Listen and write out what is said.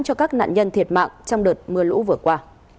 cho các nạn nhân thiệt mạng trong đợt mưa lũ vừa qua